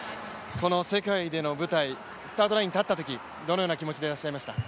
この世界での舞台、スタートラインに立ったときどのような気持ちでいらっしゃいましたか？